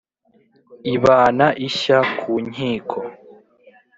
ibana ishya ku nkiko